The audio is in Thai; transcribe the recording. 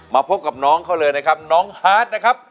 มาพบกับน้องเขาเลยนะครับน้องฮาร์ดนะครับ